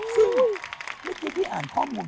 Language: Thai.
ซึ่งเพียงที่อ่านข้อมูล